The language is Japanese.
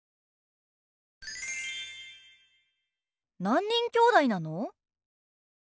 何人きょうだいなの？